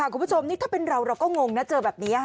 คุณผู้ชมนี่ถ้าเป็นเราเราก็งงนะเจอแบบนี้